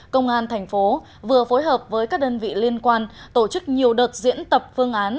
công an thành phố vừa phối hợp với các đơn vị liên quan tổ chức nhiều đợt diễn tập phương án